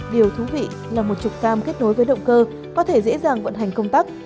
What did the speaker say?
điều thú vị là một trục cam kết nối với động cơ có thể dễ dàng vận hành công tắc